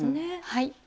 はい。